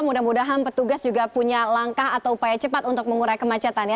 mudah mudahan petugas juga punya langkah atau upaya cepat untuk mengurai kemacetan ya